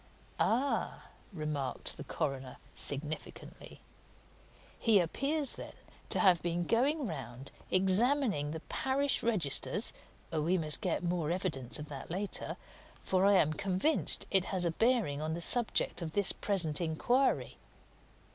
"Ah!" remarked the coroner significantly. "He appears, then, to have been going round examining the parish registers we must get more evidence of that later, for I'm convinced it has a bearing on the subject of this present inquiry.